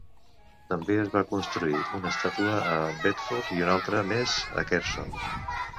També es va construir una estàtua a Bedford i una altra més a Kherson.